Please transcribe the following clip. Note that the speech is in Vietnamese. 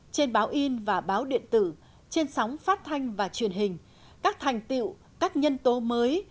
trên báo in và báo điện tử trên sóng phát thanh và truyền hình các thành tiệu các nhân tố mới